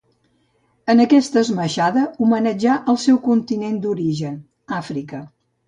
En aquesta esmaixada homenatjà al seu continent d'origen, Àfrica.